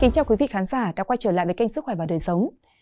chào quý vị khán giả đã quay trở lại với kênh sức khỏe và đời sống